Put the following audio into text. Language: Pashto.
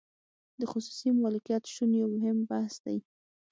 د خصوصي مالکیت شتون یو مهم بحث دی.